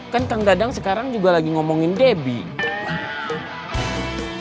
kan kang dadang sekarang juga lagi ngomongin debbie